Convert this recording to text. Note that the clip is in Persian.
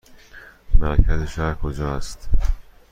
مرکز شهر کجا است؟